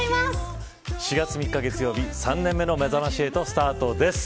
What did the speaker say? ４月３日月曜日３年目のめざまし８スタートです。